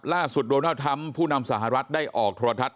ล่าสุดโรน่าทั้มผู้นำสหรัฐได้ออกโทรทัศน์